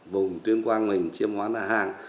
vùng tuyên quang mình chiếm ngón hàng